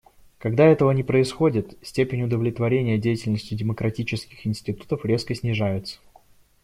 Когда этого не происходит, степень удовлетворения деятельностью демократических институтов резко снижается.